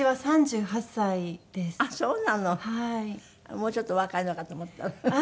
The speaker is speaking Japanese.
もうちょっとお若いのかと思った。